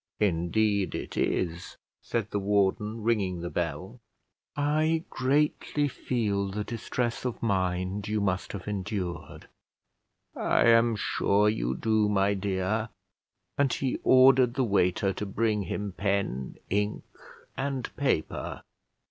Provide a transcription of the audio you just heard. "Indeed it is," said the warden, ringing the bell. "I greatly feel the distress of mind you must have endured." "I am sure you do, my dear;" and he ordered the waiter to bring him pen, ink, and paper.